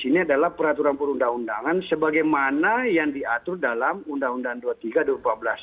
ini adalah peraturan perundang undangan sebagaimana yang diatur dalam undang undang dua puluh tiga dua ribu empat belas